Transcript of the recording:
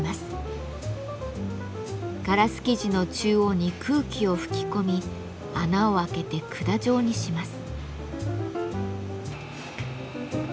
ガラス素地の中央に空気を吹き込み穴を開けて管状にします。